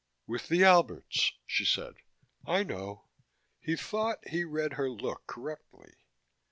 "With the Alberts," she said. "I know." He thought he read her look correctly.